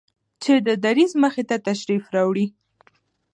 چې د دريځ مخې ته تشریف راوړي